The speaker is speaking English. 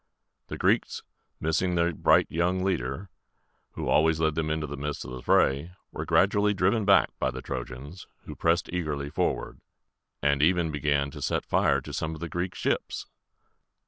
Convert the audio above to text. The Greeks, missing the bright young leader who always led them into the midst of the fray, were gradually driven back by the Trojans, who pressed eagerly forward, and even began to set fire to some of the Greek ships.